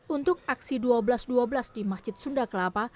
untuk aksi dua belas dua belas di masjid sunda kelapa